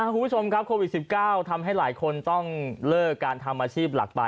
คุณผู้ชมครับโควิด๑๙ทำให้หลายคนต้องเลิกการทำอาชีพหลักไป